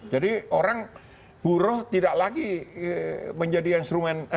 jadi orang buruh tidak lagi menjadi instrumen